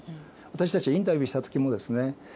私たちがインタビューした時もですね